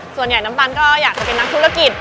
น้ำตาลก็อยากจะเป็นนักธุรกิจ